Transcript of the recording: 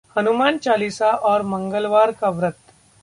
हनुमानचालीसा और मंगलवार का व्रत